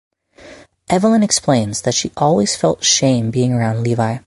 Evelyn explains that she always felt shame being around Levi.